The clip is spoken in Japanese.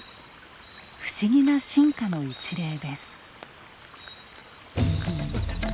不思議な進化の一例です。